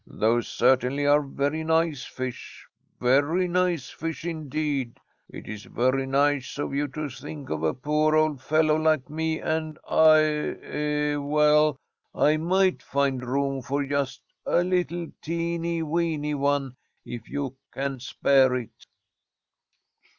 "Those certainly are very nice fish, very nice fish indeed. It is very nice of you to think of a poor old fellow like me, and I er well, I might find room for just a little teeny, weeny one, if you can spare it."